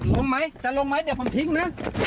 ลงไหมจะลงไหมเดี๋ยวผมทิ้งนะ